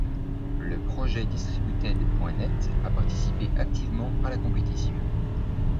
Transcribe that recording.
Le projet distributed.net, a participé activement à la compétition.